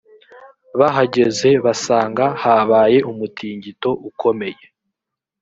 bahageze basanga habaye umutingito ukomeye